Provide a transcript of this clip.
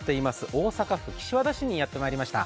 大阪府岸和田市にやってきました。